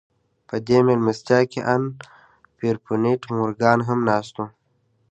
په دې مېلمستیا کې ان پیرپونټ مورګان هم ناست و